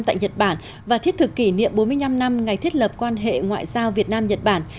tại nhật bản và thiết thực kỷ niệm bốn mươi năm năm ngày thiết lập quan hệ ngoại giao việt nam nhật bản